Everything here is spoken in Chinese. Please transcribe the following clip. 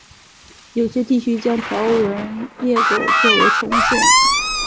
有些地区将条纹鬣狗作为宠物饲养。